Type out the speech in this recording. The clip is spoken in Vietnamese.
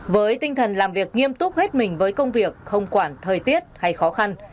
với tinh thần làm việc nghiêm túc hết mình với công việc không quản thời tiết hay khó khăn